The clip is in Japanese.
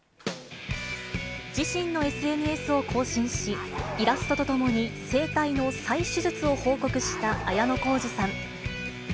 自身のＳＮＳを更新し、イラストとともに声帯の再手術を報告した綾小路さん。